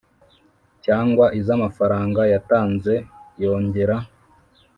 Cyangwa iz amafaranga yatanze yongera